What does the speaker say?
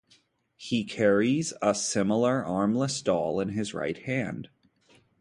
He carries a similar armless doll in his right hand.